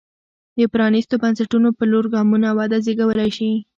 د پرانېستو بنسټونو په لور ګامونه وده زېږولی شي.